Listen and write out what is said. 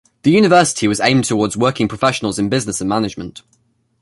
The university was aimed towards working professionals in business and management.